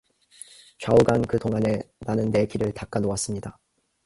좌우간 그 동안에 나는 내 길을 닦아 놓았습니다.